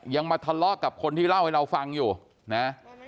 มาทะเลาะกับคนที่เล่าให้เราฟังอยู่นะ